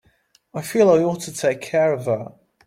I feel I ought to take care of her.